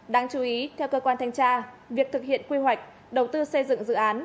đáng chú ý theo cơ quan thanh tra việc thực hiện quy hoạch đầu tư xây dựng dự án